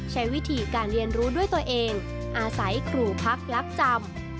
ใช้วิธีการเรียนรู้ด้วยตัวเองอาศัยครูพักลักจำ